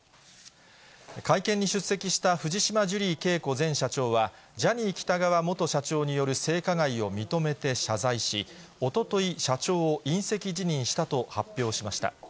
会見に出席した藤島ジュリー景子前社長は、ジャニー喜多川元社長による性加害を認めて謝罪し、おととい、社長を引責辞任したと発表しました。